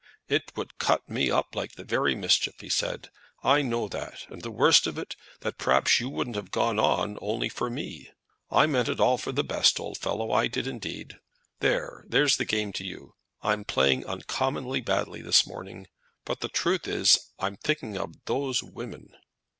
"It would cut me up like the very mischief," he said. "I know that; and the worst of it is, that perhaps you wouldn't have gone on, only for me. I meant it all for the best, old fellow. I did, indeed. There; that's the game to you. I'm playing uncommon badly this morning; but the truth is, I'm thinking of those women."